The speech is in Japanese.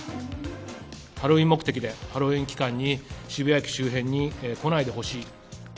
ハロウィーン目的で、ハロウィーン期間に渋谷駅周辺に来ないでほしい。